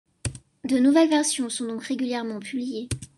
De nouvelles versions sont donc régulièrement publiées.